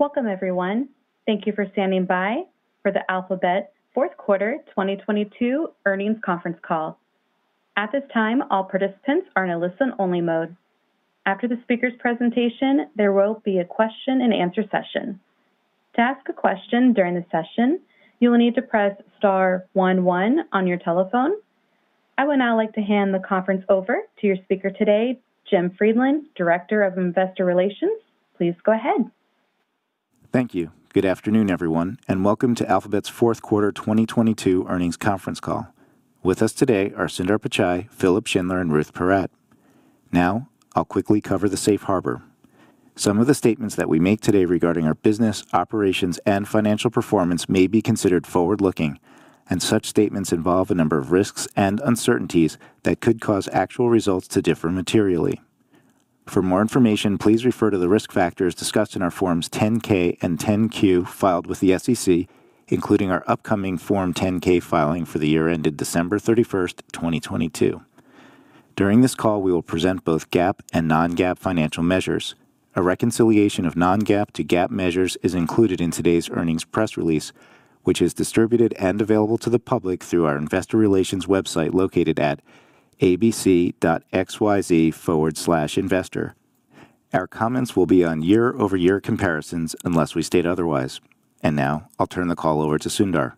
Welcome, everyone. Thank you for standing by for the Alphabet Fourth Quarter 2022 Earnings Conference Call. At this time, all participants are in a listen-only mode. After the speaker's presentation, there will be a question-and-answer session. To ask a question during the session, you will need to press star one one on your telephone. I would now like to hand the conference over to your speaker today, Jim Friedland, Director of Investor Relations. Please go ahead. Thank you. Good afternoon, everyone, and welcome to Alphabet's Fourth Quarter 2022 Earnings Conference Call. With us today are Sundar Pichai, Philipp Schindler, and Ruth Porat. Now, I'll quickly cover the safe harbor. Some of the statements that we make today regarding our business, operations, and financial performance may be considered forward-looking, and such statements involve a number of risks and uncertainties that could cause actual results to differ materially. For more information, please refer to the risk factors discussed in our Forms 10-K and 10-Q filed with the SEC, including our upcoming Form 10-K filing for the year ended December 31st, 2022. During this call, we will present both GAAP and Non-GAAP financial measures. A reconciliation of Non-GAAP to GAAP measures is included in today's earnings press release, which is distributed and available to the public through our investor relations website located at abc.xyz/investor. Our comments will be on year-over-year comparisons unless we state otherwise, and now I'll turn the call over to Sundar.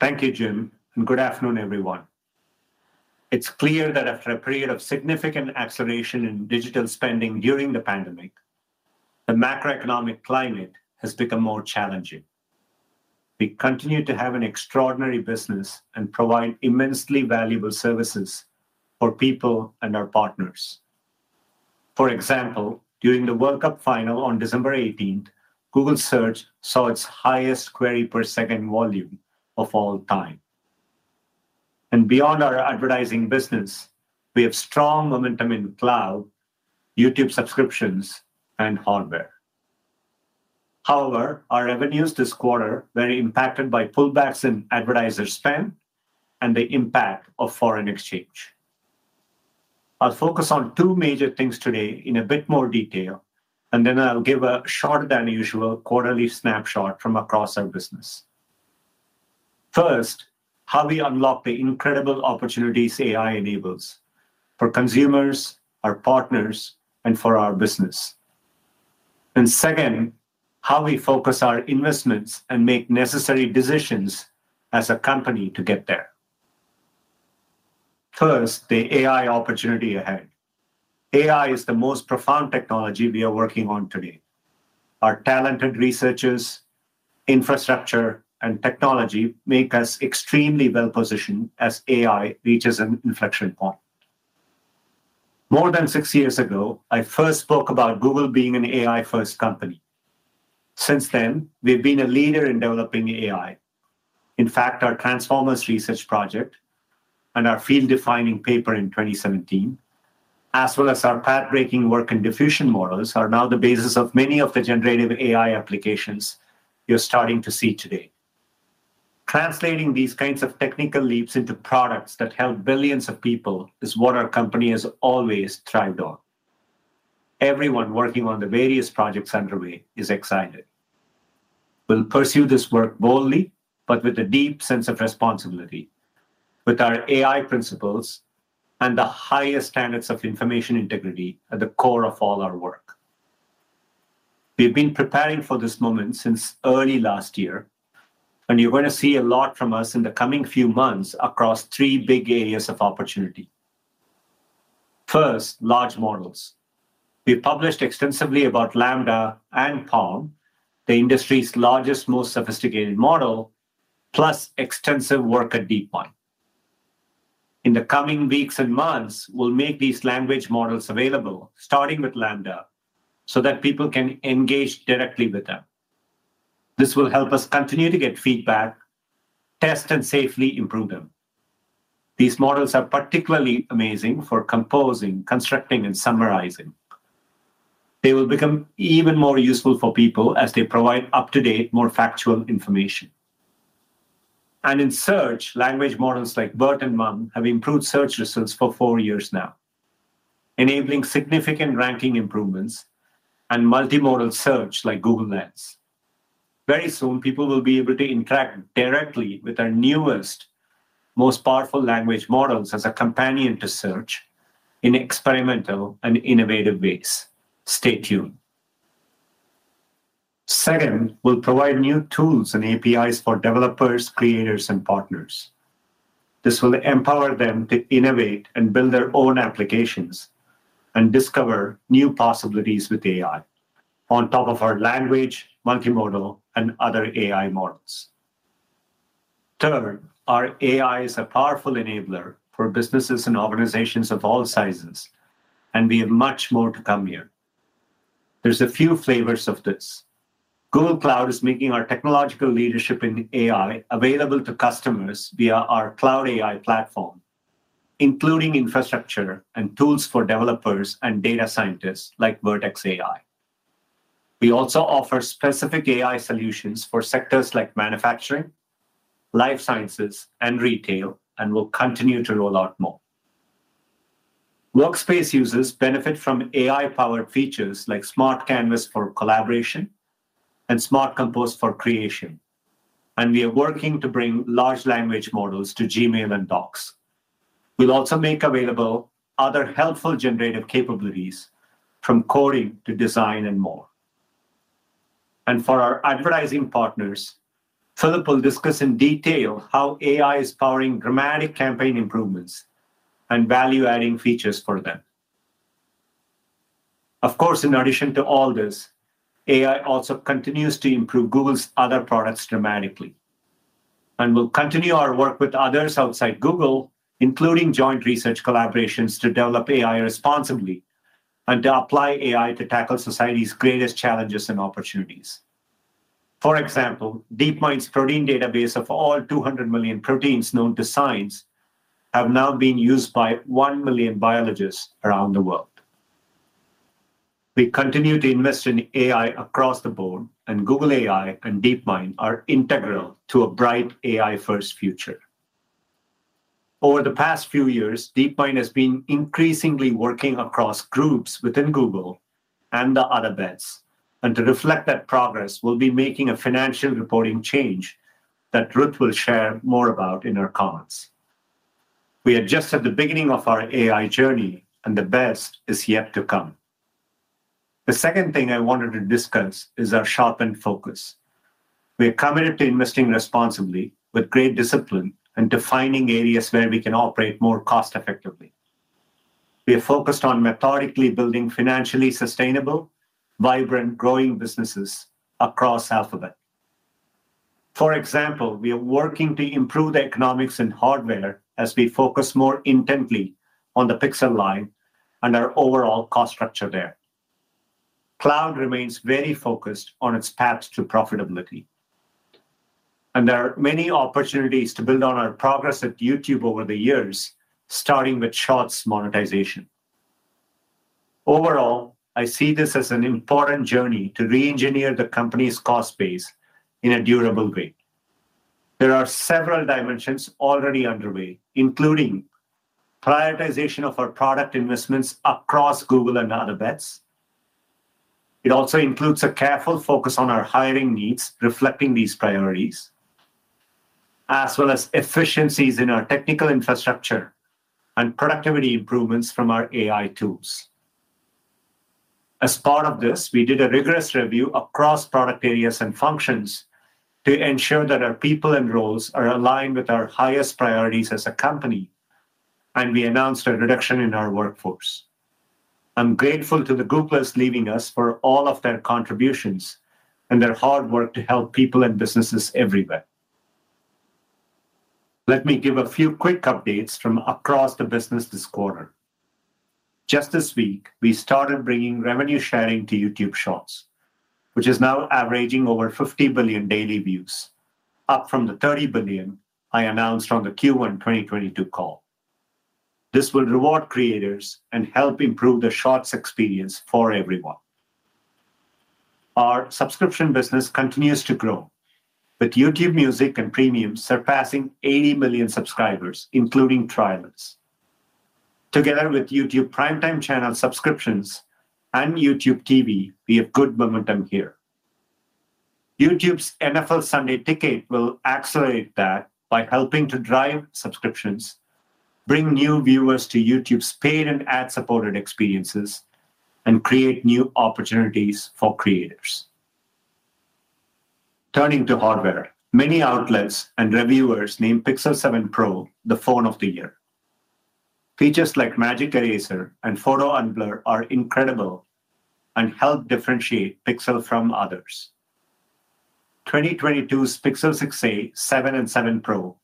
Thank you, Jim, and good afternoon, everyone. It's clear that after a period of significant acceleration in digital spending during the pandemic, the macroeconomic climate has become more challenging. We continue to have an extraordinary business and provide immensely valuable services for people and our partners. For example, during the World Cup final on December 18th, Google Search saw its highest query per second volume of all time. And beyond our advertising business, we have strong momentum in Cloud, YouTube subscriptions, and hardware. However, our revenues this quarter were impacted by pullbacks in advertiser spend and the impact of foreign exchange. I'll focus on two major things today in a bit more detail, and then I'll give a shorter than usual quarterly snapshot from across our business. First, how we unlock the incredible opportunities AI enables for consumers, our partners, and for our business. And second, how we focus our investments and make necessary decisions as a company to get there. First, the AI opportunity ahead. AI is the most profound technology we are working on today. Our talented researchers, infrastructure, and technology make us extremely well-positioned as AI reaches an inflection point. More than six years ago, I first spoke about Google being an AI-first company. Since then, we've been a leader in developing AI. In fact, our Transformers research project and our field-defining paper in 2017, as well as our pathbreaking work in diffusion models, are now the basis of many of the generative AI applications you're starting to see today. Translating these kinds of technical leaps into products that help billions of people is what our company has always thrived on. Everyone working on the various projects underway is excited. We'll pursue this work boldly, but with a deep sense of responsibility, with our AI principles and the highest standards of information integrity at the core of all our work. We've been preparing for this moment since early last year, and you're going to see a lot from us in the coming few months across three big areas of opportunity. First, large models. We published extensively about LaMDA and PaLM, the industry's largest, most sophisticated model, plus extensive work at DeepMind. In the coming weeks and months, we'll make these language models available, starting with LaMDA, so that people can engage directly with them. This will help us continue to get feedback, test, and safely improve them. These models are particularly amazing for composing, constructing, and summarizing. They will become even more useful for people as they provide up-to-date, more factual information. In Search, language models like BERT and MUM have improved Search results for four years now, enabling significant ranking improvements and multimodal Search like Google Lens. Very soon, people will be able to interact directly with our newest, most powerful language models as a companion to Search in experimental and innovative ways. Stay tuned. Second, we'll provide new tools and APIs for developers, creators, and partners. This will empower them to innovate and build their own applications and discover new possibilities with AI on top of our language, multimodal, and other AI models. Third, our AI is a powerful enabler for businesses and organizations of all sizes, and we have much more to come here. There's a few flavors of this. Google Cloud is making our technological leadership in AI available to customers via our Cloud AI Platform, including infrastructure and tools for developers and data scientists like Vertex AI. We also offer specific AI solutions for sectors like manufacturing, life sciences, and retail, and we'll continue to roll out more. Workspace users benefit from AI-powered features like Smart Canvas for collaboration and Smart Compose for creation, and we are working to bring large language models to Gmail and Docs. We'll also make available other helpful generative capabilities, from coding to design and more, and for our advertising partners, Philipp will discuss in detail how AI is powering dramatic campaign improvements and value-adding features for them. Of course, in addition to all this, AI also continues to improve Google's other products dramatically. and we'll continue our work with others outside Google, including joint research collaborations to develop AI responsibly and to apply AI to tackle society's greatest challenges and opportunities. For example, DeepMind's protein database of all 200 million proteins known to science has now been used by one million biologists around the world. We continue to invest in AI across the board, and Google AI and DeepMind are integral to a bright AI-first future. Over the past few years, DeepMind has been increasingly working across groups within Google and the Other Bets. And to reflect that progress, we'll be making a financial reporting change that Ruth will share more about in her comments. We are just at the beginning of our AI journey, and the best is yet to come. The second thing I wanted to discuss is our sharpened focus. We are committed to investing responsibly with great discipline and defining areas where we can operate more cost-effectively. We are focused on methodically building financially sustainable, vibrant, growing businesses across Alphabet. For example, we are working to improve the economics and hardware as we focus more intently on the Pixel line and our overall cost structure there. Cloud remains very focused on its path to profitability, and there are many opportunities to build on our progress at YouTube over the years, starting with Shorts monetization. Overall, I see this as an important journey to re-engineer the company's cost base in a durable way. There are several dimensions already underway, including prioritization of our product investments across Google and Other Bets. It also includes a careful focus on our hiring needs, reflecting these priorities, as well as efficiencies in our technical infrastructure and productivity improvements from our AI tools. As part of this, we did a rigorous review across product areas and functions to ensure that our people and roles are aligned with our highest priorities as a company, and we announced a reduction in our workforce. I'm grateful to the group that's leaving us for all of their contributions and their hard work to help people and businesses everywhere. Let me give a few quick updates from across the business this quarter. Just this week, we started bringing revenue sharing to YouTube Shorts, which is now averaging over 50 billion daily views, up from the 30 billion I announced on the Q1 2022 call. This will reward creators and help improve the Shorts experience for everyone. Our subscription business continues to grow, with YouTube Music and Premium surpassing 80 million subscribers, including trialers. Together with YouTube Primetime Channels subscriptions and YouTube TV, we have good momentum here. YouTube's NFL Sunday Ticket will accelerate that by helping to drive subscriptions, bring new viewers to YouTube's paid and ad-supported experiences, and create new opportunities for creators. Turning to hardware, many outlets and reviewers named Pixel 7 Pro the Phone of the Year. Features like Magic Eraser and Photo Unblur are incredible and help differentiate Pixel from others. 2022's Pixel 6a, 7, and 7 Pro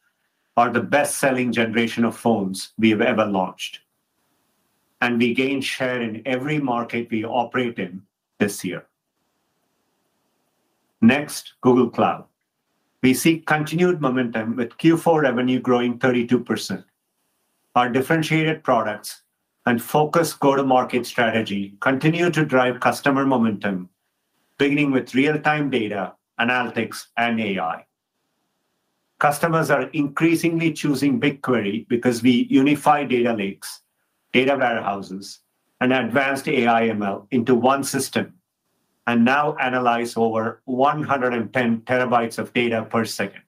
are the best-selling generation of phones we have ever launched, and we gained share in every market we operate in this year. Next, Google Cloud. We see continued momentum with Q4 revenue growing 32%. Our differentiated products and focused go-to-market strategy continue to drive customer momentum, beginning with real-time data, analytics, and AI. Customers are increasingly choosing BigQuery because we unify data lakes, data warehouses, and advanced AI/ML into one system and now analyze over 110 TB of data per second.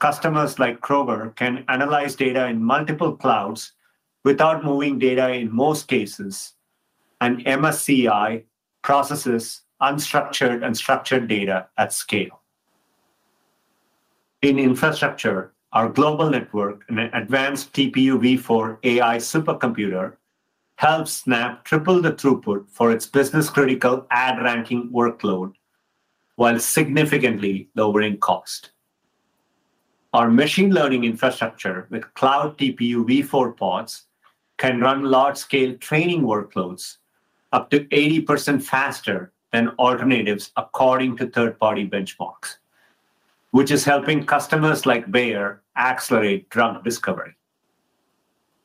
Customers like Kroger can analyze data in multiple clouds without moving data in most cases, and MSCI processes unstructured and structured data at scale. In infrastructure, our global network and advanced TPU v4 AI supercomputer helps Snap triple the throughput for its business-critical ad ranking workload while significantly lowering cost. Our machine learning infrastructure with Cloud TPU v4 Pods can run large-scale training workloads up to 80% faster than alternatives according to third-party benchmarks, which is helping customers like Bayer accelerate drug discovery.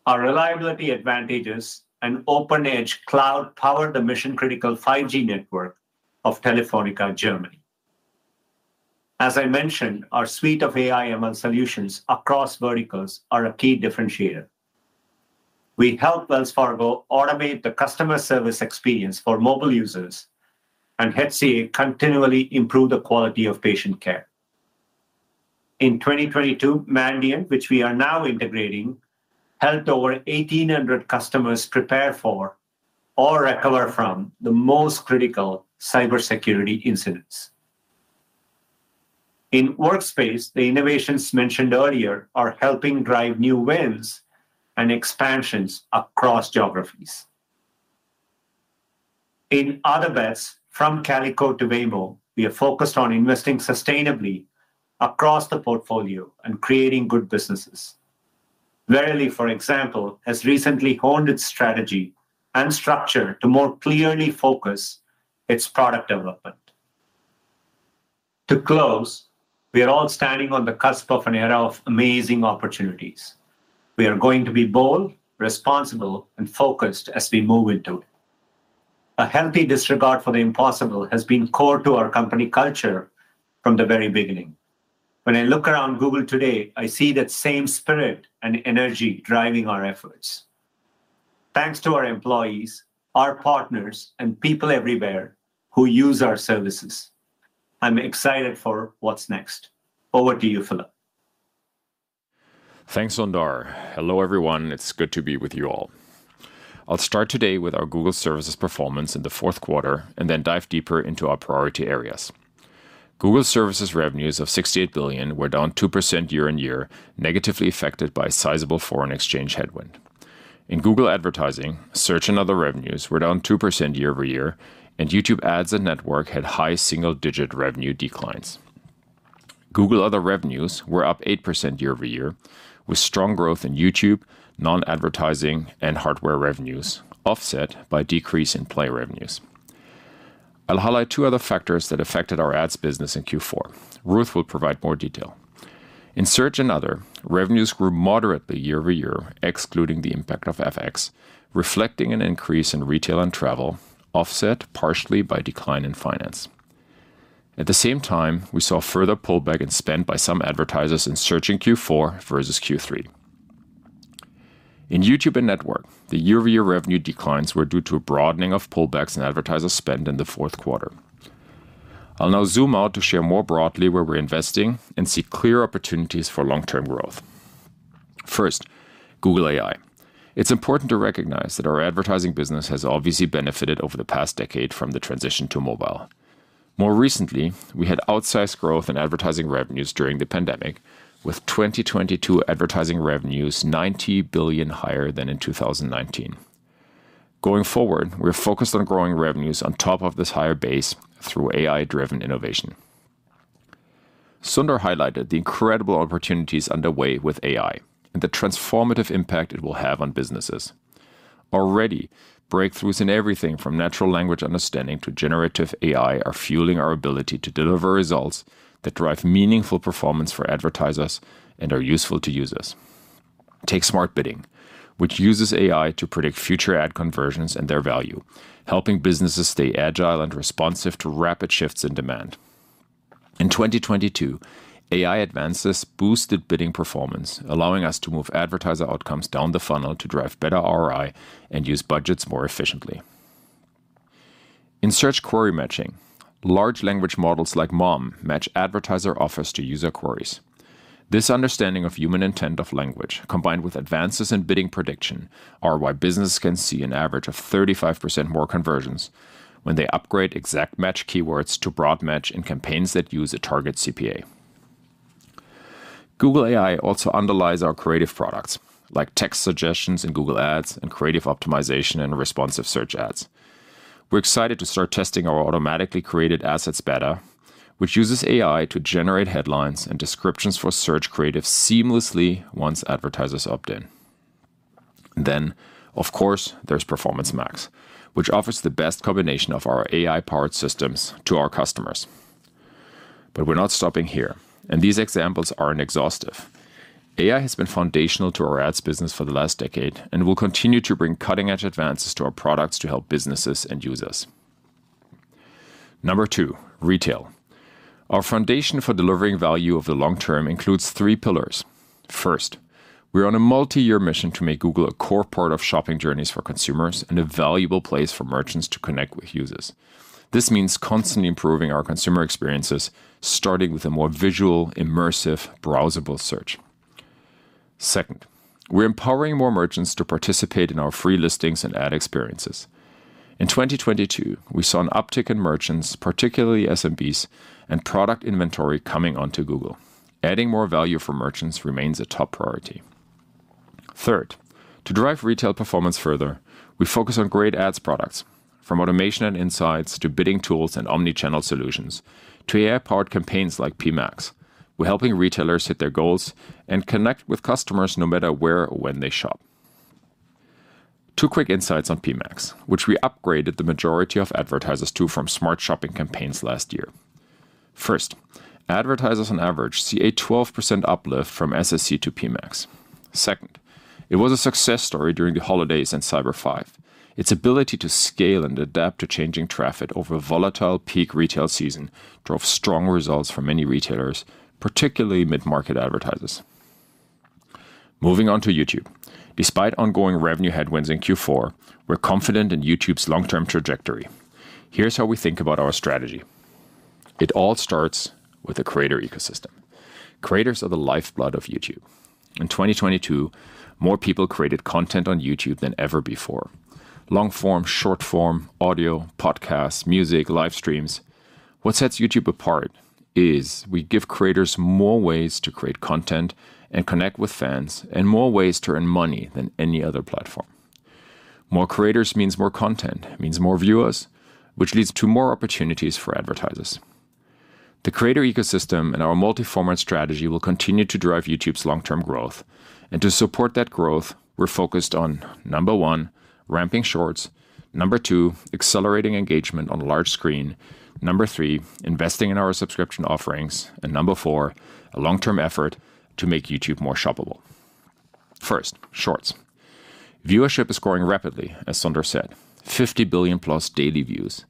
Our reliability advantages and open edge cloud power the mission-critical 5G Network of Telefónica Germany. As I mentioned, our suite of AI/ML solutions across verticals are a key differentiator. We help Wells Fargo automate the customer service experience for mobile users, and HCA continually improve the quality of patient care. In 2022, Mandiant, which we are now integrating, helped over 1,800 customers prepare for or recover from the most critical cybersecurity incidents. In Workspace, the innovations mentioned earlier are helping drive new wins and expansions across geographies. In Other Bets, from Calico to Waymo, we are focused on investing sustainably across the portfolio and creating good businesses. Verily, for example, has recently honed its strategy and structure to more clearly focus its product development. To close, we are all standing on the cusp of an era of amazing opportunities. We are going to be bold, responsible, and focused as we move into it. A healthy disregard for the impossible has been core to our company culture from the very beginning. When I look around Google today, I see that same spirit and energy driving our efforts. Thanks to our employees, our partners, and people everywhere who use our services, I'm excited for what's next. Over to you, Philipp. Thanks, Sundar. Hello, everyone. It's good to be with you all. I'll start today with our Google Services performance in the fourth quarter and then dive deeper into our priority areas. Google Services revenues of $68 billion were down 2% year-on-year, negatively affected by a sizable foreign exchange headwind. In Google Advertising, Search and other revenues were down 2% year-over-year, and YouTube ads and Network had high single-digit revenue declines. Google Other revenues were up 8% year-over-year, with strong growth in YouTube, non-advertising, and hardware revenues offset by a decrease in Play revenues. I'll highlight two other factors that affected our ads business in Q4. Ruth will provide more detail. In Search and other, revenues grew moderately year-over-year, excluding the impact of FX, reflecting an increase in retail and travel offset partially by a decline in finance. At the same time, we saw further pullback in spend by some advertisers in Search in Q4 versus Q3. In YouTube and Network, the year-over-year revenue declines were due to a broadening of pullbacks in advertiser spend in the fourth quarter. I'll now zoom out to share more broadly where we're investing and see clear opportunities for long-term growth. First, Google AI. It's important to recognize that our advertising business has obviously benefited over the past decade from the transition to mobile. More recently, we had outsized growth in advertising revenues during the pandemic, with 2022 advertising revenues $90 billion higher than in 2019. Going forward, we're focused on growing revenues on top of this higher base through AI-driven innovation. Sundar highlighted the incredible opportunities underway with AI and the transformative impact it will have on businesses. Already, breakthroughs in everything from natural language understanding to generative AI are fueling our ability to deliver results that drive meaningful performance for advertisers and are useful to users. Take Smart Bidding, which uses AI to predict future ad conversions and their value, helping businesses stay agile and responsive to rapid shifts in demand. In 2022, AI advances boosted bidding performance, allowing us to move advertiser outcomes down the funnel to drive better ROI and use budgets more efficiently. In Search query matching, large language models like MUM match advertiser offers to user queries. This understanding of human intent of language, combined with advances in bidding prediction, is why businesses can see an average of 35% more conversions when they upgrade exact match keywords to broad match in campaigns that use a target CPA. Google AI also underlies our creative products, like text suggestions in Google Ads and creative optimization and Responsive Search Ads. We're excited to start testing our automatically created assets beta, which uses AI to generate headlines and descriptions for Search creatives seamlessly once advertisers opt in. Then, of course, there's Performance Max, which offers the best combination of our AI-powered systems to our customers. But we're not stopping here, and these examples aren't exhaustive. AI has been foundational to our ads business for the last decade and will continue to bring cutting-edge advances to our products to help businesses and users. Number two, retail. Our foundation for delivering value over the long term includes three pillars. First, we're on a multi-year mission to make Google a core part of shopping journeys for consumers and a valuable place for merchants to connect with users. This means constantly improving our consumer experiences, starting with a more visual, immersive, browsable Search. Second, we're empowering more merchants to participate in our free listings and ad experiences. In 2022, we saw an uptick in merchants, particularly SMBs, and product inventory coming onto Google. Adding more value for merchants remains a top priority. Third, to drive retail performance further, we focus on great ads products. From automation and insights to bidding tools and omnichannel solutions to AI-powered campaigns like PMax, we're helping retailers hit their goals and connect with customers no matter where or when they shop. Two quick insights on PMax, which we upgraded the majority of advertisers to from Smart Shopping Campaigns last year. First, advertisers on average see a 12% uplift from SSC to PMax. Second, it was a success story during the holidays and Cyber Five. Its ability to scale and adapt to changing traffic over a volatile peak retail season drove strong results for many retailers, particularly mid-market advertisers. Moving on to YouTube. Despite ongoing revenue headwinds in Q4, we're confident in YouTube's long-term trajectory. Here's how we think about our strategy. It all starts with the creator ecosystem. Creators are the lifeblood of YouTube. In 2022, more people created content on YouTube than ever before: long-form, short-form, audio, podcasts, music, live streams. What sets YouTube apart is we give creators more ways to create content and connect with fans and more ways to earn money than any other platform. More creators means more content, means more viewers, which leads to more opportunities for advertisers. The creator ecosystem and our multi-format strategy will continue to drive YouTube's long-term growth. And to support that growth, we're focused on number one, ramping Shorts. Number two, accelerating engagement on a large screen. Number three, investing in our subscription offerings. And number four, a long-term effort to make YouTube more shoppable. First, Shorts. Viewership is growing rapidly, as Sundar said, 50 billion plus daily views.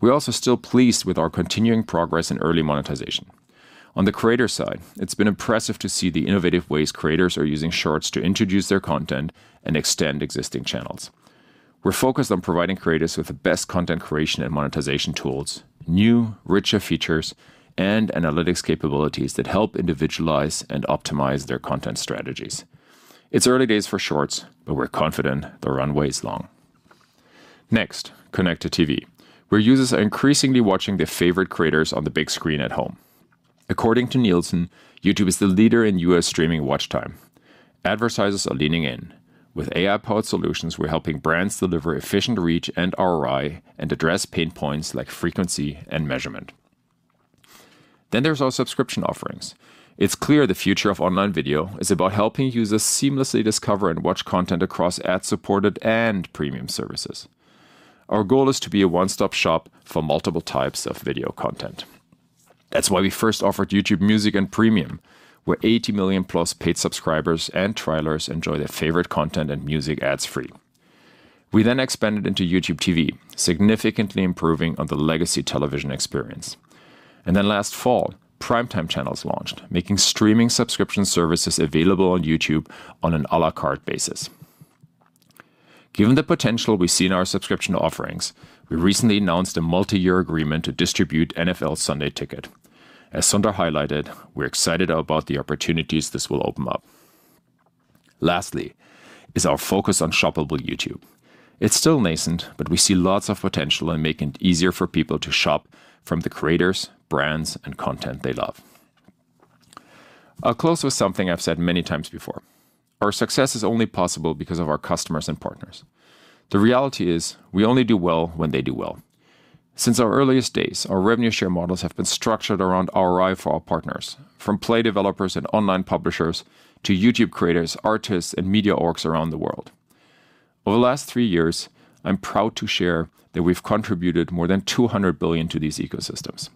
We're also still pleased with our continuing progress in early monetization. On the creator side, it's been impressive to see the innovative ways creators are using Shorts to introduce their content and extend existing channels. We're focused on providing creators with the best content creation and monetization tools, new, richer features, and analytics capabilities that help individualize and optimize their content strategies. It's early days for Shorts, but we're confident the runway is long. Next, connected TV, where users are increasingly watching their favorite creators on the big screen at home. According to Nielsen, YouTube is the leader in U.S. streaming watch time. Advertisers are leaning in. With AI-powered solutions, we're helping brands deliver efficient reach and ROI and address pain points like frequency and measurement. Then there's our subscription offerings. It's clear the future of online video is about helping users seamlessly discover and watch content across ad-supported and premium services. Our goal is to be a one-stop shop for multiple types of video content. That's why we first offered YouTube Music and Premium, where 80 million plus paid subscribers enjoy their favorite content and music ad-free. We then expanded into YouTube TV, significantly improving on the legacy television experience. Then last fall, Primetime Channels launched, making streaming subscription services available on YouTube on an à la carte basis. Given the potential we see in our subscription offerings, we recently announced a multi-year agreement to distribute NFL Sunday Ticket. As Sundar highlighted, we're excited about the opportunities this will open up. Lastly, our focus is on shoppable YouTube. It's still nascent, but we see lots of potential in making it easier for people to shop from the creators, brands, and content they love. I'll close with something I've said many times before. Our success is only possible because of our customers and partners. The reality is we only do well when they do well. Since our earliest days, our revenue share models have been structured around ROI for our partners, from Play developers and online publishers to YouTube creators, artists, and media orgs around the world. Over the last three years, I'm proud to share that we've contributed more than $200 billion to these ecosystems.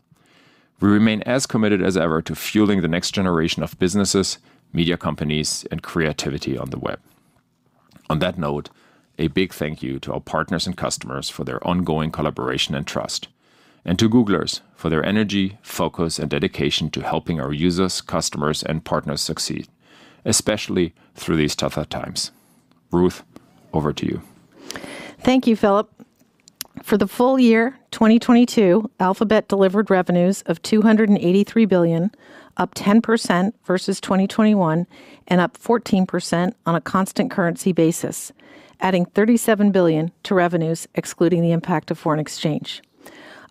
We remain as committed as ever to fueling the next generation of businesses, media companies, and creativity on the web. On that note, a big thank you to our partners and customers for their ongoing collaboration and trust, and to Googlers for their energy, focus, and dedication to helping our users, customers, and partners succeed, especially through these tough times. Ruth, over to you. Thank you, Philipp. For the full year, 2022, Alphabet delivered revenues of $283 billion, up 10% versus 2021, and up 14% on a constant currency basis, adding $37 billion to revenues, excluding the impact of foreign exchange.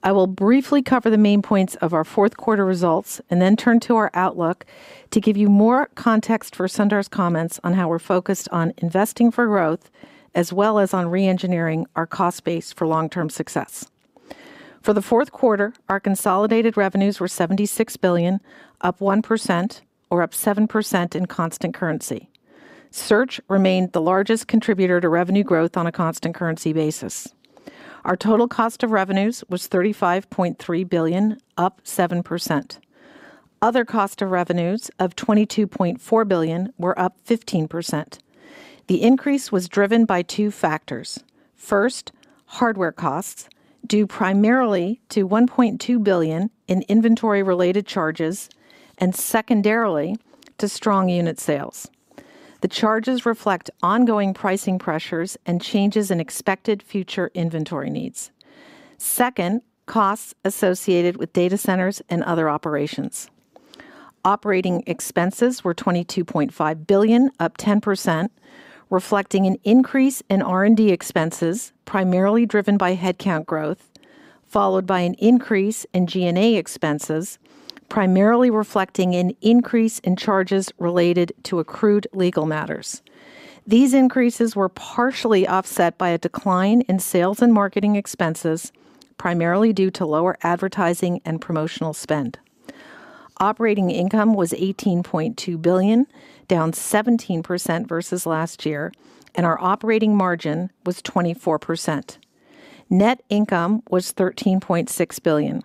I will briefly cover the main points of our fourth quarter results and then turn to our outlook to give you more context for Sundar's comments on how we're focused on investing for growth, as well as on re-engineering our cost base for long-term success. For the fourth quarter, our consolidated revenues were $76 billion, up 1%, or up 7% in constant currency. Search remained the largest contributor to revenue growth on a constant currency basis. Our total cost of revenues was $35.3 billion, up 7%. Other costs of revenues of $22.4 billion were up 15%. The increase was driven by two factors. First, hardware costs due primarily to $1.2 billion in inventory-related charges and secondarily to strong unit sales. The charges reflect ongoing pricing pressures and changes in expected future inventory needs. Second, costs associated with data centers and other operations. Operating expenses were $22.5 billion, up 10%, reflecting an increase in R&D expenses primarily driven by headcount growth, followed by an increase in G&A expenses, primarily reflecting an increase in charges related to accrued legal matters. These increases were partially offset by a decline in sales and marketing expenses, primarily due to lower advertising and promotional spend. Operating income was $18.2 billion, down 17% versus last year, and our operating margin was 24%. Net income was $13.6 billion.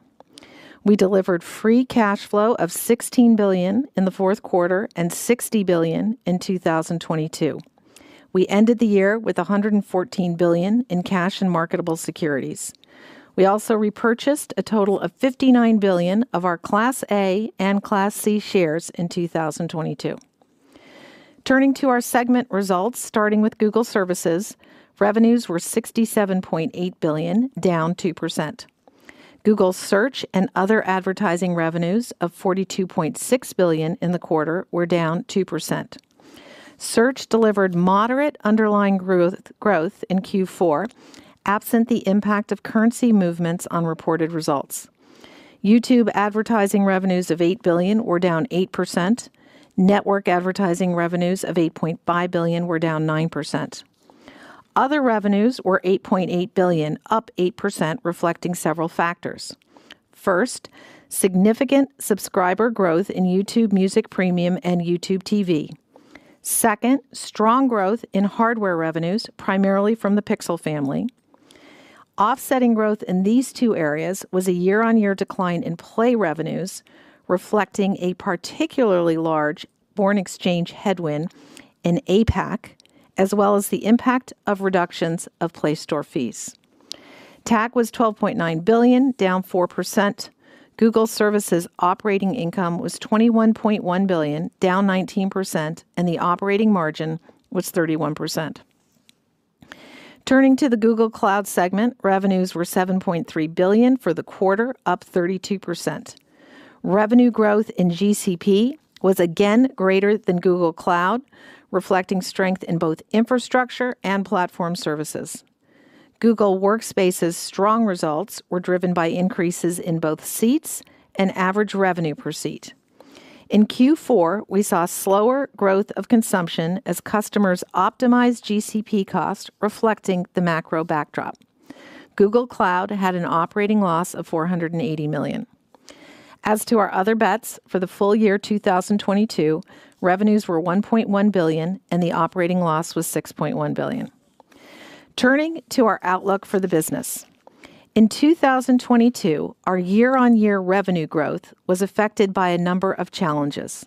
We delivered free cash flow of $16 billion in the fourth quarter and $60 billion in 2022. We ended the year with $114 billion in cash and marketable securities. We also repurchased a total of $59 billion of our Class A and Class C shares in 2022. Turning to our segment results, starting with Google Services, revenues were $67.8 billion, down 2%. Google Search and other advertising revenues of $42.6 billion in the quarter were down 2%. Search delivered moderate underlying growth in Q4, absent the impact of currency movements on reported results. YouTube advertising revenues of $8 billion were down 8%. Network advertising revenues of $8.5 billion were down 9%. Other revenues were $8.8 billion, up 8%, reflecting several factors. First, significant subscriber growth in YouTube Music Premium and YouTube TV. Second, strong growth in hardware revenues, primarily from the Pixel family. Offsetting growth in these two areas was a year-on-year decline in Play revenues, reflecting a particularly large foreign exchange headwind in APAC, as well as the impact of reductions of Play Store fees. TAC was $12.9 billion, down 4%. Google Services operating income was $21.1 billion, down 19%, and the operating margin was 31%. Turning to the Google Cloud segment, revenues were $7.3 billion for the quarter, up 32%. Revenue growth in GCP was again greater than Google Cloud, reflecting strength in both infrastructure and platform services. Google Workspace's strong results were driven by increases in both seats and average revenue per seat. In Q4, we saw slower growth of consumption as customers optimized GCP cost, reflecting the macro backdrop. Google Cloud had an operating loss of $480 million. As to our Other Bets for the full year 2022, revenues were $1.1 billion, and the operating loss was $6.1 billion. Turning to our outlook for the business. In 2022, our year-on-year revenue growth was affected by a number of challenges.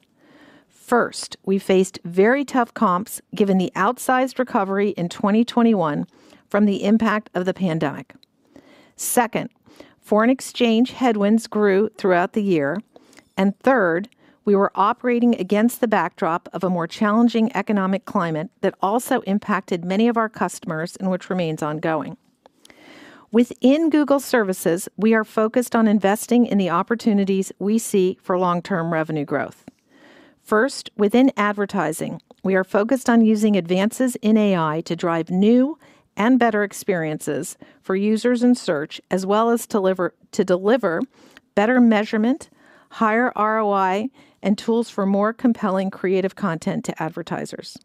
First, we faced very tough comps given the outsized recovery in 2021 from the impact of the pandemic. Second, foreign exchange headwinds grew throughout the year. Third, we were operating against the backdrop of a more challenging economic climate that also impacted many of our customers, which remains ongoing. Within Google Services, we are focused on investing in the opportunities we see for long-term revenue growth. First, within advertising, we are focused on using advances in AI to drive new and better experiences for users and Search, as well as to deliver better measurement, higher ROI, and tools for more compelling creative content to advertisers.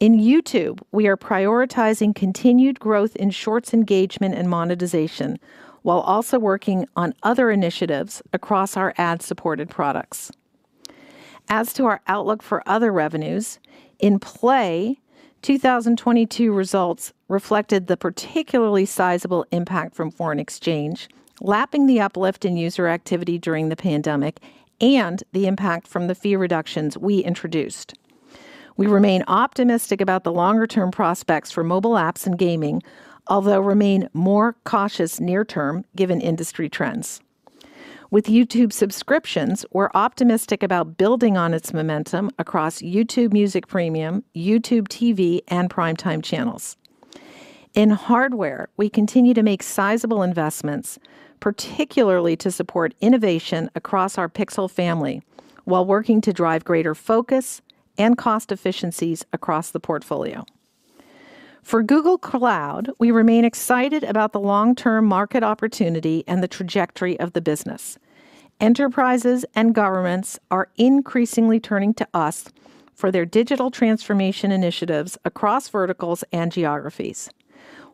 In YouTube, we are prioritizing continued growth in Shorts engagement and monetization, while also working on other initiatives across our ad-supported products. As to our outlook for other revenues, in Play, 2022 results reflected the particularly sizable impact from foreign exchange, lapping the uplift in user activity during the pandemic and the impact from the fee reductions we introduced. We remain optimistic about the longer-term prospects for mobile apps and gaming, although we remain more cautious near-term given industry trends. With YouTube subscriptions, we're optimistic about building on its momentum across YouTube Music Premium, YouTube TV, and Primetime Channels. In hardware, we continue to make sizable investments, particularly to support innovation across our Pixel family, while working to drive greater focus and cost efficiencies across the portfolio. For Google Cloud, we remain excited about the long-term market opportunity and the trajectory of the business. Enterprises and governments are increasingly turning to us for their digital transformation initiatives across verticals and geographies.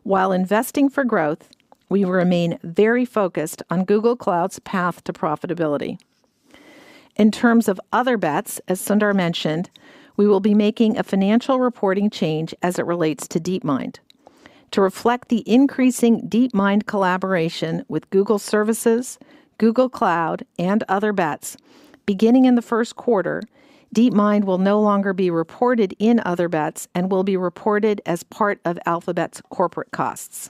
While investing for growth, we remain very focused on Google Cloud's path to profitability. In terms of Other Bets, as Sundar mentioned, we will be making a financial reporting change as it relates to DeepMind. To reflect the increasing DeepMind collaboration with Google Services, Google Cloud, and Other Bets, beginning in the first quarter, DeepMind will no longer be reported in Other Bets and will be reported as part of Alphabet's corporate costs.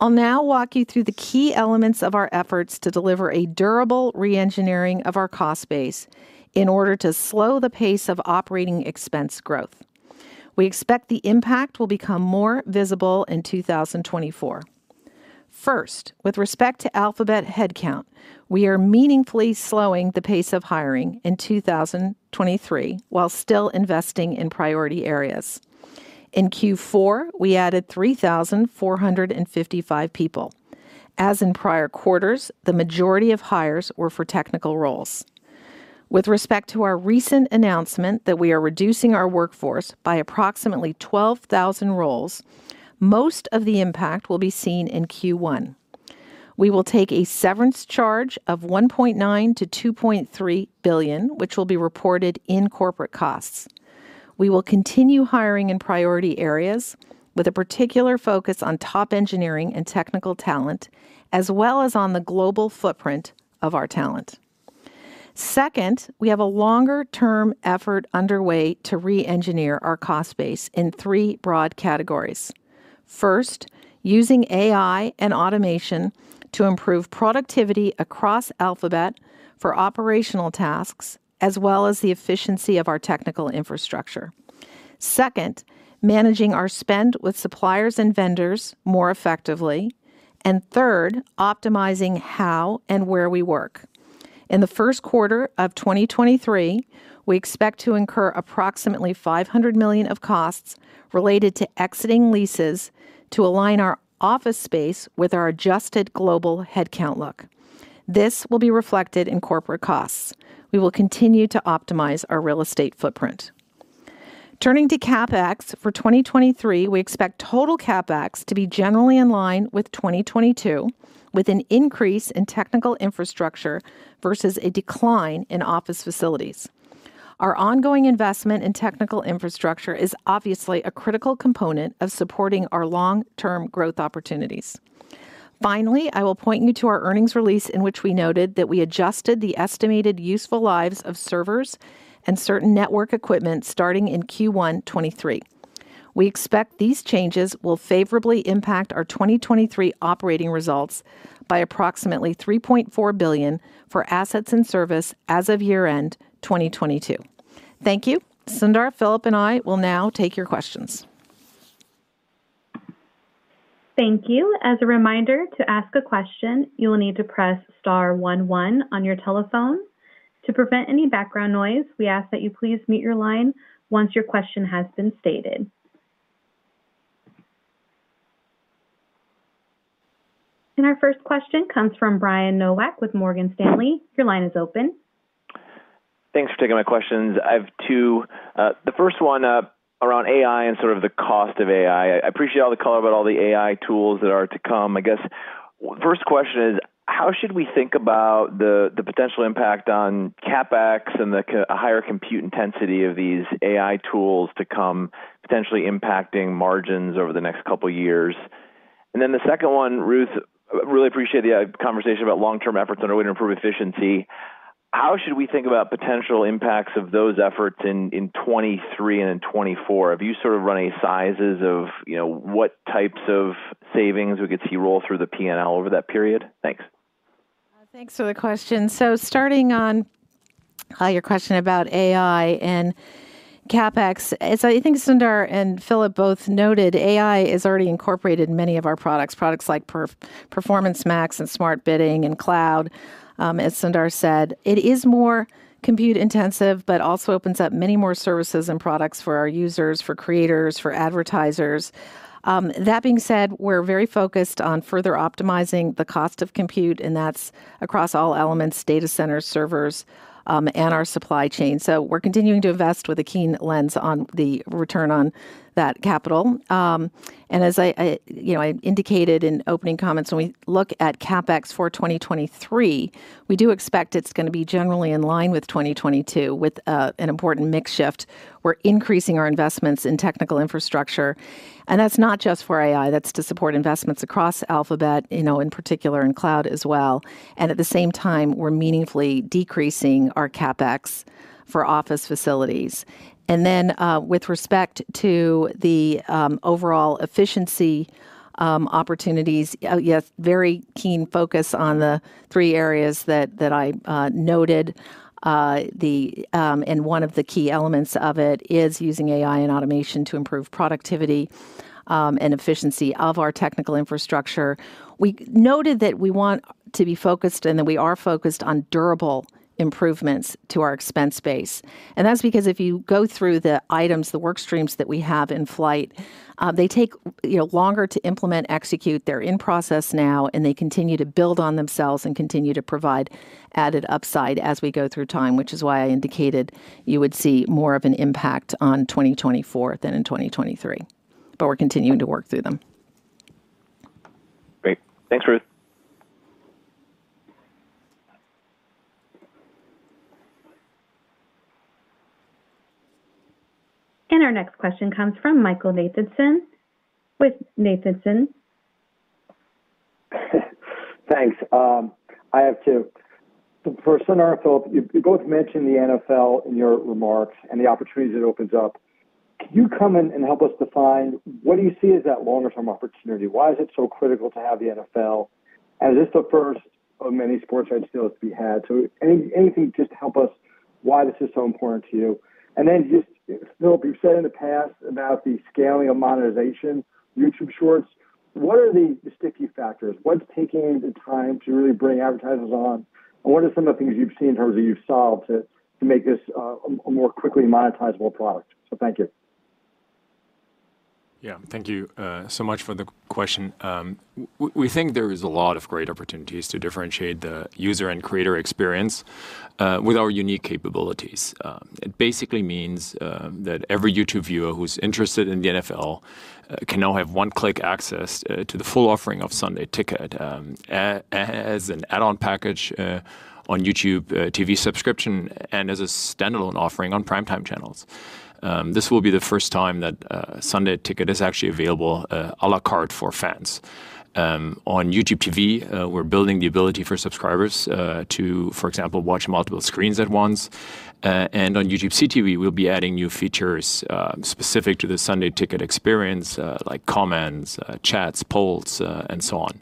I'll now walk you through the key elements of our efforts to deliver a durable re-engineering of our cost base in order to slow the pace of operating expense growth. We expect the impact will become more visible in 2024. First, with respect to Alphabet headcount, we are meaningfully slowing the pace of hiring in 2023 while still investing in priority areas. In Q4, we added 3,455 people. As in prior quarters, the majority of hires were for technical roles. With respect to our recent announcement that we are reducing our workforce by approximately 12,000 roles, most of the impact will be seen in Q1. We will take a severance charge of $1.9-$2.3 billion, which will be reported in corporate costs. We will continue hiring in priority areas with a particular focus on top engineering and technical talent, as well as on the global footprint of our talent. Second, we have a longer-term effort underway to re-engineer our cost base in three broad categories. First, using AI and automation to improve productivity across Alphabet for operational tasks, as well as the efficiency of our technical infrastructure. Second, managing our spend with suppliers and vendors more effectively, and third, optimizing how and where we work. In the first quarter of 2023, we expect to incur approximately $500 million of costs related to exiting leases to align our office space with our adjusted global headcount look. This will be reflected in corporate costs. We will continue to optimize our real estate footprint. Turning to CapEx for 2023, we expect total CapEx to be generally in line with 2022, with an increase in technical infrastructure versus a decline in office facilities. Our ongoing investment in technical infrastructure is obviously a critical component of supporting our long-term growth opportunities. Finally, I will point you to our earnings release in which we noted that we adjusted the estimated useful lives of servers and certain network equipment starting in Q1 2023. We expect these changes will favorably impact our 2023 operating results by approximately $3.4 billion for assets in service as of year-end 2022. Thank you. Sundar, Philipp, and I will now take your questions. Thank you. As a reminder, to ask a question, you will need to press star one one on your telephone. To prevent any background noise, we ask that you please mute your line once your question has been stated. And our first question comes from Brian Nowak with Morgan Stanley. Your line is open. Thanks for taking my questions. I have two. The first one around AI and sort of the cost of AI. I appreciate all the color about all the AI tools that are to come. I guess the first question is, how should we think about the potential impact on CapEx and the higher compute intensity of these AI tools to come potentially impacting margins over the next couple of years? And then the second one, Ruth, really appreciate the conversation about long-term efforts underway to improve efficiency. How should we think about potential impacts of those efforts in 2023 and in 2024? Have you sort of run any sizes of what types of savings we could see roll through the P&L over that period? Thanks. Thanks for the question. So starting on your question about AI and CapEx, I think Sundar and Philipp both noted AI is already incorporated in many of our products, products like Performance Max and Smart Bidding and Cloud, as Sundar said. It is more compute intensive, but also opens up many more services and products for our users, for creators, for advertisers. That being said, we're very focused on further optimizing the cost of compute, and that's across all elements, data centers, servers, and our supply chain. So we're continuing to invest with a keen lens on the return on that capital. And as I indicated in opening comments, when we look at CapEx for 2023, we do expect it's going to be generally in line with 2022 with an important mix shift. We're increasing our investments in technical infrastructure. And that's not just for AI. That's to support investments across Alphabet, in particular in Cloud as well. And at the same time, we're meaningfully decreasing our CapEx for office facilities. And then with respect to the overall efficiency opportunities, yes, very keen focus on the three areas that I noted. And one of the key elements of it is using AI and automation to improve productivity and efficiency of our technical infrastructure. We noted that we want to be focused and that we are focused on durable improvements to our expense base. And that's because if you go through the items, the work streams that we have in flight, they take longer to implement, execute. They're in process now, and they continue to build on themselves and continue to provide added upside as we go through time, which is why I indicated you would see more of an impact on 2024 than in 2023. But we're continuing to work through them. Great. Thanks, Ruth. And our next question comes from Michael Nathanson with MoffettNathanson. Thanks. I have two. For Sundar and Philipp, you both mentioned the NFL in your remarks and the opportunities it opens up. Can you come in and help us define what do you see as that longer-term opportunity? Why is it so critical to have the NFL? And is this the first of many sports rights deals we had? So anything just to help us why this is so important to you. And then just, Philipp, you've said in the past about the scaling of monetization, YouTube Shorts. What are the sticky factors? What's taking the time to really bring advertisers on? And what are some of the things you've seen in terms of you've solved to make this a more quickly monetizable product? So thank you. Yeah, thank you so much for the question. We think there is a lot of great opportunities to differentiate the user and creator experience with our unique capabilities. It basically means that every YouTube viewer who's interested in the NFL can now have one-click access to the full offering of Sunday Ticket as an add-on package on YouTube TV subscription and as a standalone offering on Primetime Channels. This will be the first time that Sunday Ticket is actually available à la carte for fans. On YouTube TV, we're building the ability for subscribers to, for example, watch multiple screens at once. And on YouTube CTV, we'll be adding new features specific to the Sunday Ticket experience, like comments, chats, polls, and so on.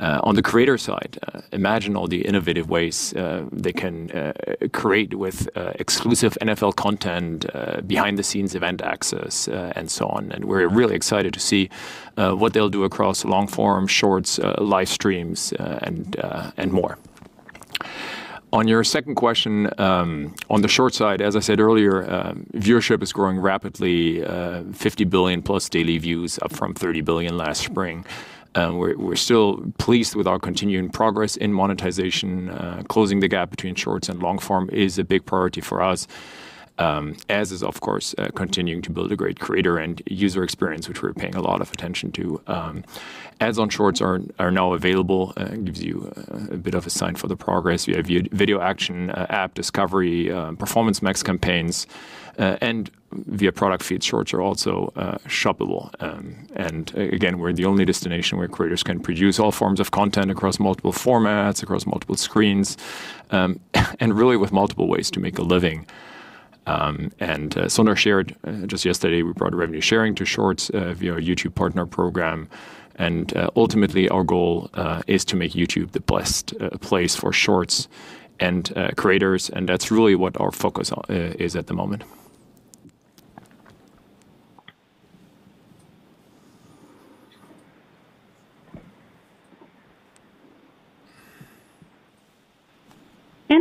On the creator side, imagine all the innovative ways they can create with exclusive NFL content, behind-the-scenes event access, and so on. We're really excited to see what they'll do across long-form, Shorts, live streams, and more. On your second question, on the Shorts side, as I said earlier, viewership is growing rapidly, 50 billion plus daily views, up from 30 billion last spring. We're still pleased with our continuing progress in monetization. Closing the gap between Shorts and long-form is a big priority for us, as is, of course, continuing to build a great creator and user experience, which we're paying a lot of attention to. Ads on Shorts are now available. It gives you a bit of a sign for the progress. We have Video Action, App, Discovery, Performance Max campaigns, and via product feeds, Shorts are also shoppable. Again, we're the only destination where creators can produce all forms of content across multiple formats, across multiple screens, and really with multiple ways to make a living. Sundar shared just yesterday we brought revenue sharing to Shorts via our YouTube Partner Program. Ultimately, our goal is to make YouTube the best place for Shorts and creators. That's really what our focus is at the moment.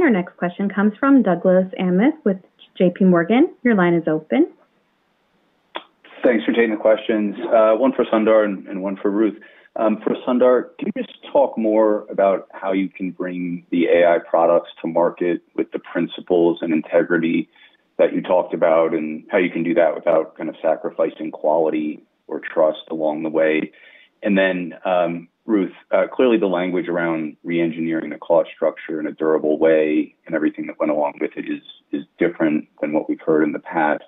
Our next question comes from Douglas Anmuth with JPMorgan. Your line is open. Thanks for taking the questions. One for Sundar and one for Ruth. For Sundar, can you just talk more about how you can bring the AI products to market with the principles and integrity that you talked about and how you can do that without kind of sacrificing quality or trust along the way? Then, Ruth, clearly the language around re-engineering the cost structure in a durable way and everything that went along with it is different than what we've heard in the past.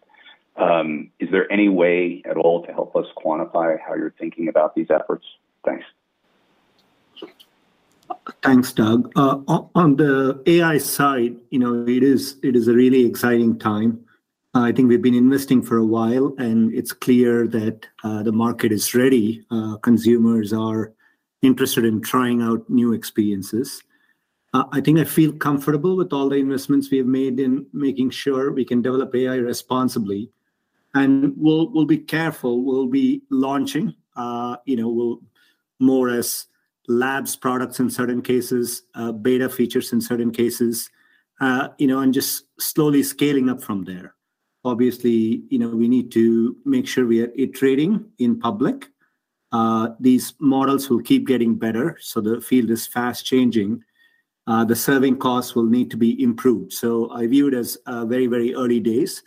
Is there any way at all to help us quantify how you're thinking about these efforts? Thanks. Thanks, Doug. On the AI side, it is a really exciting time. I think we've been investing for a while, and it's clear that the market is ready. Consumers are interested in trying out new experiences. I think I feel comfortable with all the investments we have made in making sure we can develop AI responsibly, and we'll be careful. We'll be launching more as labs products in certain cases, beta features in certain cases, and just slowly scaling up from there. Obviously, we need to make sure we are iterating in public. These models will keep getting better, so the field is fast changing. The serving costs will need to be improved, so I view it as very, very early days.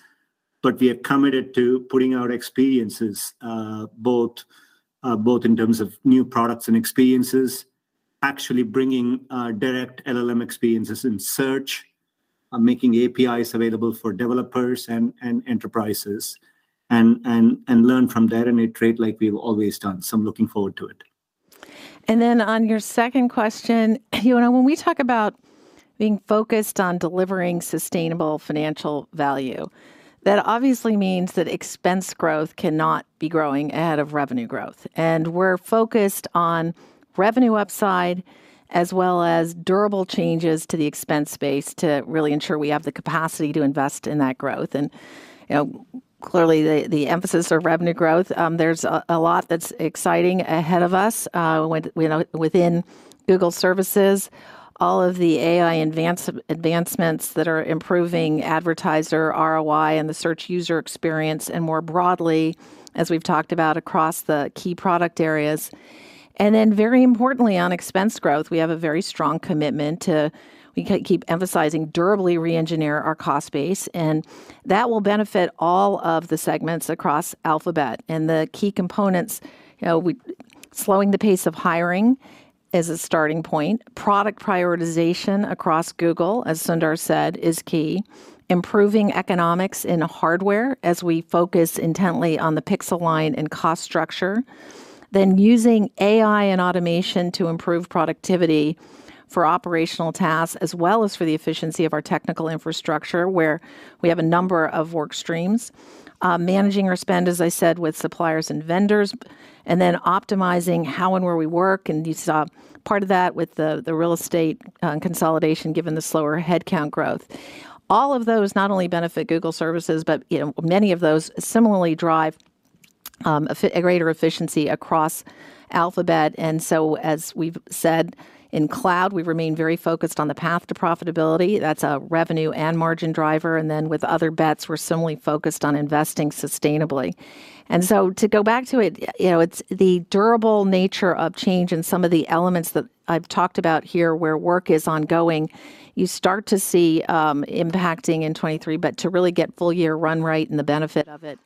But we are committed to putting our experiences both in terms of new products and experiences, actually bringing direct LLM experiences in Search, making APIs available for developers and enterprises, and learn from there and iterate like we've always done. So I'm looking forward to it. And then on your second question, when we talk about being focused on delivering sustainable financial value, that obviously means that expense growth cannot be growing ahead of revenue growth. And we're focused on revenue upside as well as durable changes to the expense base to really ensure we have the capacity to invest in that growth. And clearly, the emphasis is on revenue growth. There's a lot that's exciting ahead of us within Google Services, all of the AI advancements that are improving advertiser ROI and the Search user experience and more broadly, as we've talked about, across the key product areas. And then very importantly, on expense growth, we have a very strong commitment to keep emphasizing durably re-engineer our cost base. And that will benefit all of the segments across Alphabet. And the key components, slowing the pace of hiring is a starting point. Product prioritization across Google, as Sundar said, is key. Improving economics in hardware as we focus intently on the Pixel line and cost structure. Then using AI and automation to improve productivity for operational tasks as well as for the efficiency of our technical infrastructure where we have a number of work streams. Managing our spend, as I said, with suppliers and vendors. And then optimizing how and where we work. And you saw part of that with the real estate consolidation given the slower headcount growth. All of those not only benefit Google Services, but many of those similarly drive a greater efficiency across Alphabet. And so as we've said, in Cloud, we've remained very focused on the path to profitability. That's a revenue and margin driver. And then with other bets, we're similarly focused on investing sustainably. And so to go back to it, it's the durable nature of change and some of the elements that I've talked about here where work is ongoing. You start to see impacting in 2023, but to really get full year run rate and the benefit of it,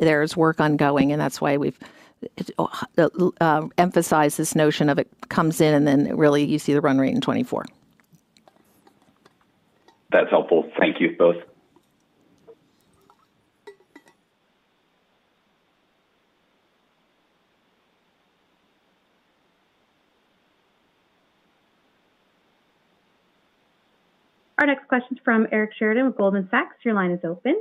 there's work ongoing. And that's why we've emphasized this notion of it comes in and then really you see the run rate in 2024. That's helpful. Thank you both. Our next question is from Eric Sheridan with Goldman Sachs. Your line is open.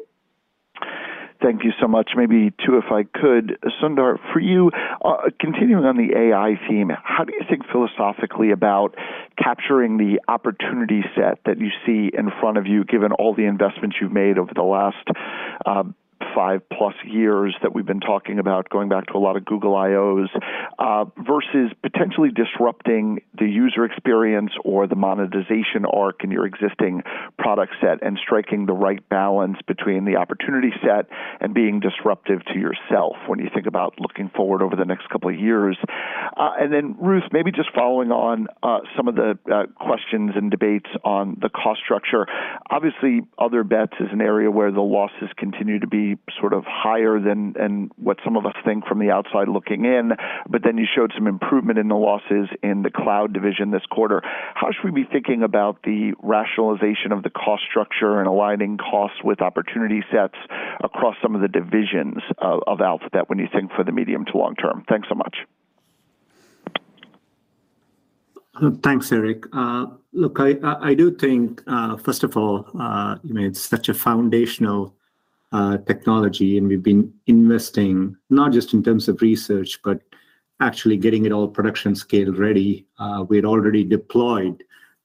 Thank you so much. Maybe two, if I could. Sundar, for you, continuing on the AI theme, how do you think philosophically about capturing the opportunity set that you see in front of you, given all the investments you've made over the last five-plus years that we've been talking about, going back to a lot of Google I/Os, versus potentially disrupting the user experience or the monetization arc in your existing product set and striking the right balance between the opportunity set and being disruptive to yourself when you think about looking forward over the next couple of years? And then, Ruth, maybe just following on some of the questions and debates on the cost structure. Obviously, Other Bets is an area where the losses continue to be sort of higher than what some of us think from the outside looking in. But then you showed some improvement in the losses in the Cloud division this quarter. How should we be thinking about the rationalization of the cost structure and aligning costs with opportunity sets across some of the divisions of Alphabet when you think for the medium to long term? Thanks so much. Thanks, Eric. Look, I do think, first of all, it's such a foundational technology, and we've been investing not just in terms of research, but actually getting it all production scale ready. We had already deployed,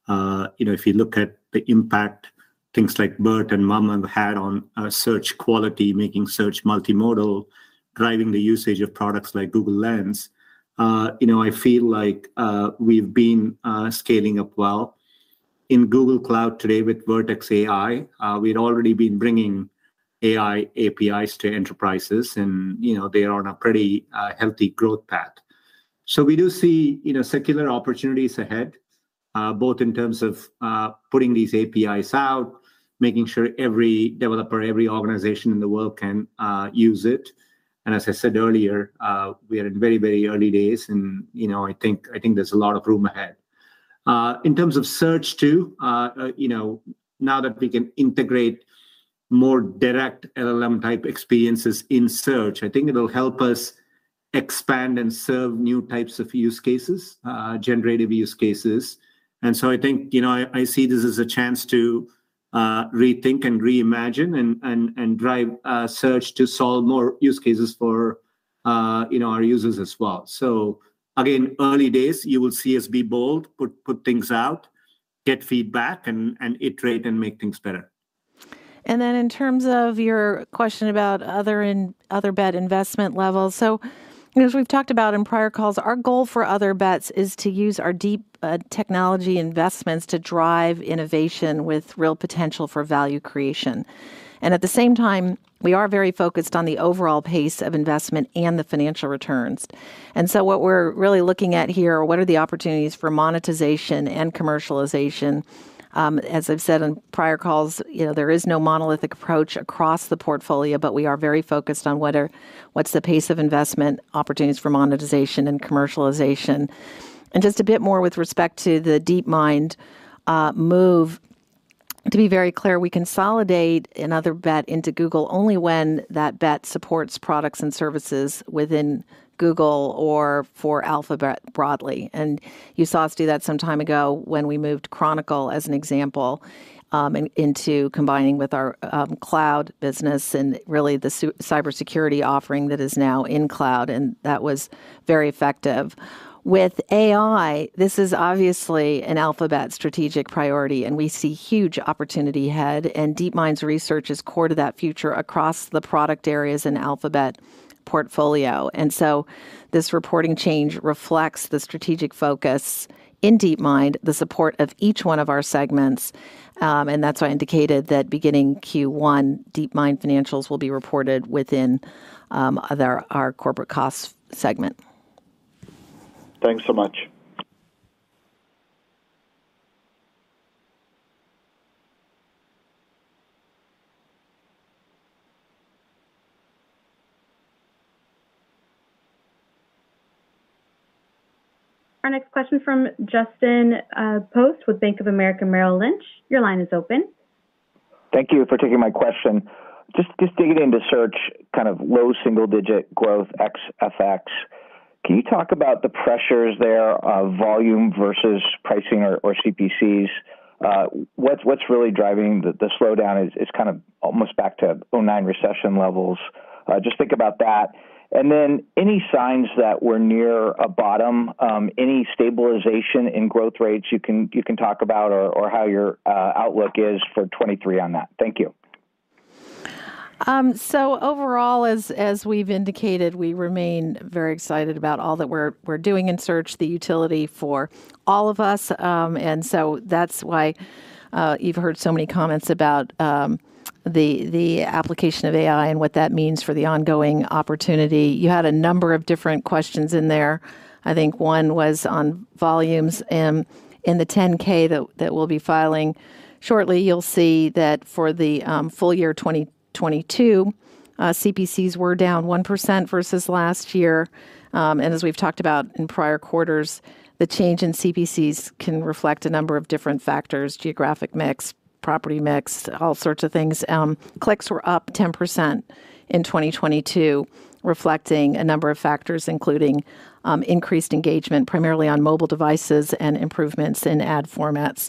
if you look at the impact, things like BERT and MUM have had on Search quality, making Search multimodal, driving the usage of products like Google Lens. I feel like we've been scaling up well. In Google Cloud today with Vertex AI, we've already been bringing AI APIs to enterprises, and they are on a pretty healthy growth path. So we do see secular opportunities ahead, both in terms of putting these APIs out, making sure every developer, every organization in the world can use it. And as I said earlier, we are in very, very early days, and I think there's a lot of room ahead. In terms of Search too, now that we can integrate more direct LLM type experiences in Search, I think it'll help us expand and serve new types of use cases, generative use cases. And so I think I see this as a chance to rethink and reimagine and drive Search to solve more use cases for our users as well. So again, early days, you will see us be bold, put things out, get feedback, and iterate and make things better. Then in terms of your question about Other Bet investment levels, so as we've talked about in prior calls, our goal for Other Bets is to use our deep technology investments to drive innovation with real potential for value creation. And at the same time, we are very focused on the overall pace of investment and the financial returns. And so what we're really looking at here, what are the opportunities for monetization and commercialization? As I've said in prior calls, there is no monolithic approach across the portfolio, but we are very focused on what's the pace of investment, opportunities for monetization, and commercialization. And just a bit more with respect to the DeepMind move, to be very clear, we consolidate an Other Bet into Google only when that Other Bet supports products and services within Google or for Alphabet broadly. And you saw us do that some time ago when we moved Chronicle as an example into combining with our Cloud business and really the cybersecurity offering that is now in Cloud, and that was very effective. With AI, this is obviously an Alphabet strategic priority, and we see huge opportunity ahead. And DeepMind's research is core to that future across the product areas and Alphabet portfolio. And so this reporting change reflects the strategic focus in DeepMind, the support of each one of our segments. And that's why I indicated that beginning Q1, DeepMind financials will be reported within our corporate cost segment. Thanks so much. Our next question from Justin Post with Bank of America Merrill Lynch. Your line is open. Thank you for taking my question. Just digging into Search, kind of low single-digit growth, ex-FX. Can you talk about the pressures there of volume versus pricing or CPCs? What's really driving the slowdown is kind of almost back to 2009 recession levels. Just think about that. And then any signs that we're near a bottom, any stabilization in growth rates you can talk about or how your outlook is for 2023 on that? Thank you. So overall, as we've indicated, we remain very excited about all that we're doing in Search, the utility for all of us. And so that's why you've heard so many comments about the application of AI and what that means for the ongoing opportunity. You had a number of different questions in there. I think one was on volumes. In the 10-K that we'll be filing shortly, you'll see that for the full year 2022, CPCs were down 1% versus last year. And as we've talked about in prior quarters, the change in CPCs can reflect a number of different factors: geographic mix, property mix, all sorts of things. Clicks were up 10% in 2022, reflecting a number of factors, including increased engagement primarily on mobile devices and improvements in ad formats.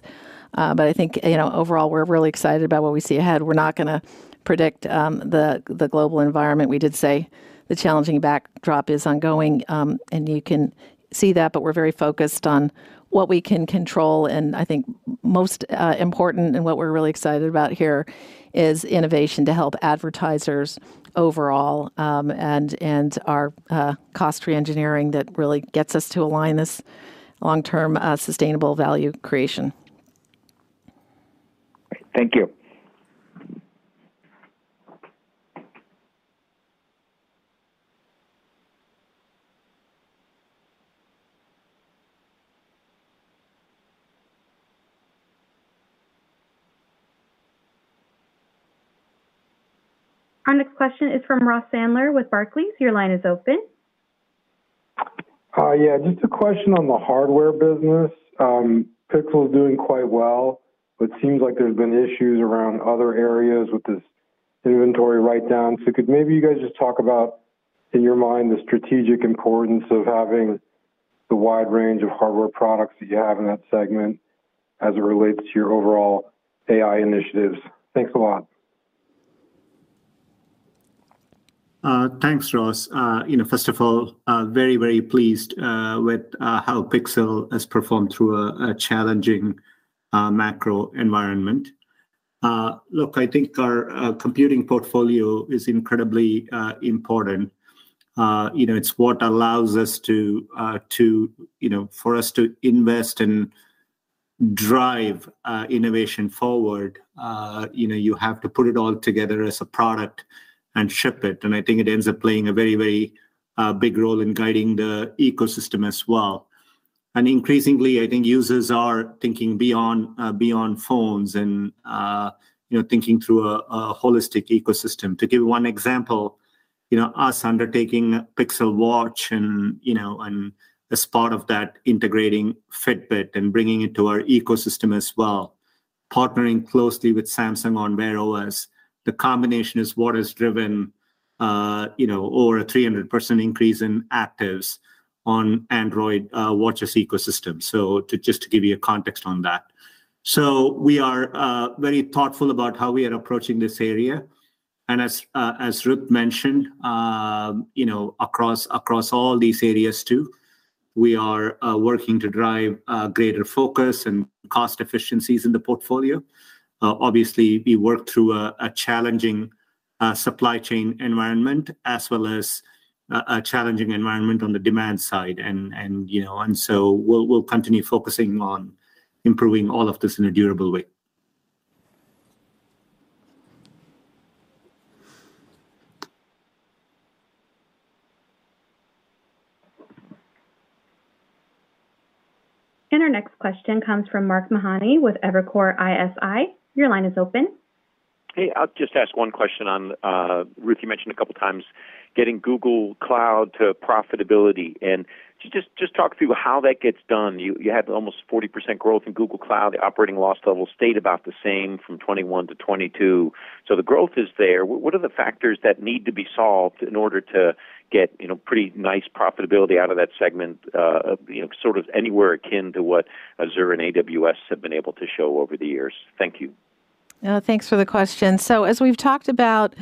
But I think overall, we're really excited about what we see ahead. We're not going to predict the global environment. We did say the challenging backdrop is ongoing, and you can see that, but we're very focused on what we can control. And I think most important and what we're really excited about here is innovation to help advertisers overall and our cost re-engineering that really gets us to align this long-term sustainable value creation. Thank you. Our next question is from Ross Sandler with Barclays. Your line is open. Yeah, just a question on the hardware business. Pixel is doing quite well, but it seems like there's been issues around other areas with this inventory write-down. So could maybe you guys just talk about, in your mind, the strategic importance of having the wide range of hardware products that you have in that segment as it relates to your overall AI initiatives? Thanks a lot. Thanks, Ross. First of all, very, very pleased with how Pixel has performed through a challenging macro environment. Look, I think our computing portfolio is incredibly important. It's what allows us to, for us to invest and drive innovation forward. You have to put it all together as a product and ship it. And I think it ends up playing a very, very big role in guiding the ecosystem as well. And increasingly, I think users are thinking beyond phones and thinking through a holistic ecosystem. To give you one example, our undertaking Pixel Watch and as part of that, integrating Fitbit and bringing it to our ecosystem as well, partnering closely with Samsung on Wear OS. The combination is what has driven over a 300% increase in actives on Android watches ecosystem. Just to give you context on that. We are very thoughtful about how we are approaching this area. As Ruth mentioned, across all these areas too, we are working to drive greater focus and cost efficiencies in the portfolio. Obviously, we work through a challenging supply chain environment as well as a challenging environment on the demand side. We'll continue focusing on improving all of this in a durable way. Our next question comes from Mark Mahaney with Evercore ISI. Your line is open. Hey, I'll just ask one question on Ruth. You mentioned a couple of times getting Google Cloud to profitability and just talk through how that gets done. You had almost 40% growth in Google Cloud. The operating loss level stayed about the same from 2021 to 2022, so the growth is there. What are the factors that need to be solved in order to get pretty nice profitability out of that segment, sort of anywhere akin to what Azure and AWS have been able to show over the years? Thank you. Thanks for the question, so as we've talked about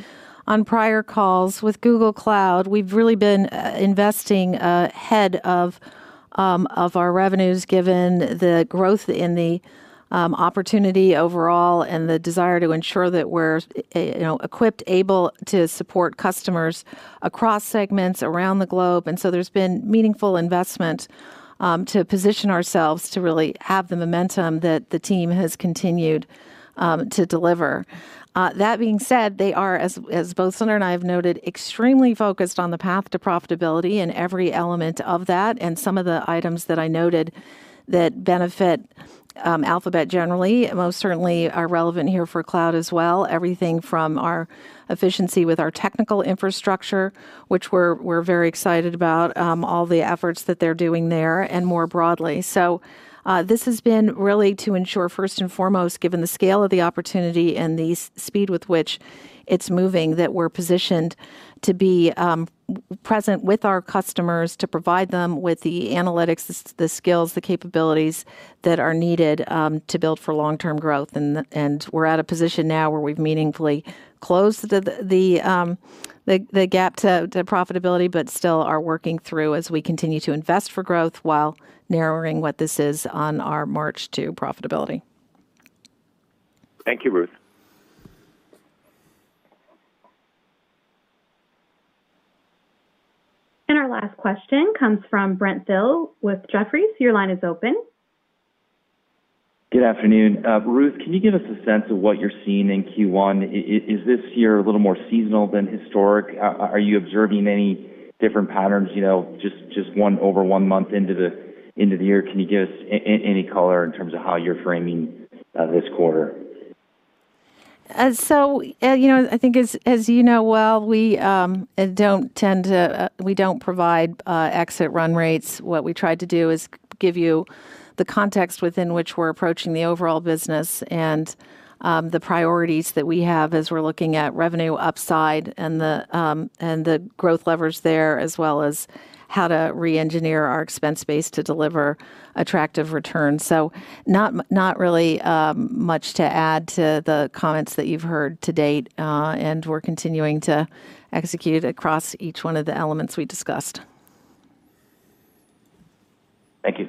on prior calls, with Google Cloud, we've really been investing ahead of our revenues given the growth in the opportunity overall and the desire to ensure that we're equipped, able to support customers across segments around the globe. And so there's been meaningful investment to position ourselves to really have the momentum that the team has continued to deliver. That being said, they are, as both Sundar and I have noted, extremely focused on the path to profitability in every element of that. And some of the items that I noted that benefit Alphabet generally most certainly are relevant here for Cloud as well. Everything from our efficiency with our technical infrastructure, which we're very excited about, all the efforts that they're doing there and more broadly. So this has been really to ensure, first and foremost, given the scale of the opportunity and the speed with which it's moving, that we're positioned to be present with our customers to provide them with the analytics, the skills, the capabilities that are needed to build for long-term growth. And we're at a position now where we've meaningfully closed the gap to profitability, but still are working through as we continue to invest for growth while narrowing what this is on our march to profitability. Thank you, Ruth. And our last question comes from Brent Thill with Jefferies. Your line is open. Good afternoon. Ruth, can you give us a sense of what you're seeing in Q1? Is this year a little more seasonal than historic? Are you observing any different patterns just over one month into the year? Can you give us any color in terms of how you're framing this quarter? So I think, as you know well, we don't tend to provide exit run rates. What we tried to do is give you the context within which we're approaching the overall business and the priorities that we have as we're looking at revenue upside and the growth levers there, as well as how to re-engineer our expense base to deliver attractive returns, so not really much to add to the comments that you've heard to date, and we're continuing to execute across each one of the elements we discussed. Thank you.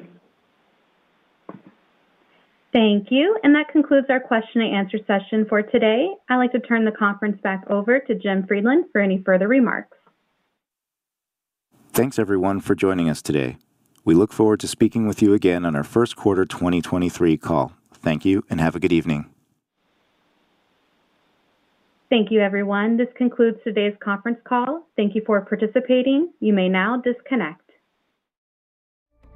Thank you, and that concludes our question and answer session for today. I'd like to turn the conference back over to Jim Friedland for any further remarks. Thanks, everyone, for joining us today. We look forward to speaking with you again on our First Quarter 2023 Call. Thank you and have a good evening. Thank you, everyone. This concludes today's conference call. Thank you for participating. You may now disconnect.